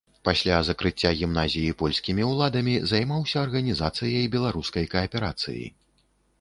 Пасля закрыцця гімназіі польскімі ўладамі займаўся арганізацыяй беларускай кааперацыі.